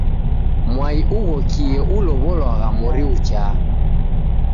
Mwai ughokie ulow'olwagha mori ghuchaa.